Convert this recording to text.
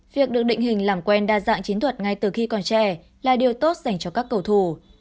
việc được định hình làm quen đa dạng chiến thuật ngay từ khi còn trẻ là điều tốt dành cho các cầu thủ